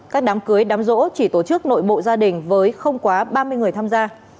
các đám cưới đám rỗ chỉ tổ chức nội bộ gia đình với không quá ba mươi người tham gia